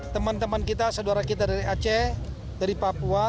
teman teman kita saudara kita dari aceh dari papua